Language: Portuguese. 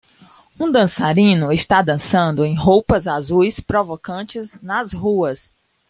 Um dançarino está dançando em roupas azuis provocantes nas ruas